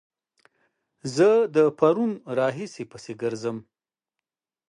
زه د پرون راهيسې پسې ګرځم